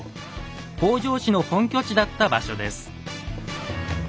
北条氏の本拠地だった場所です。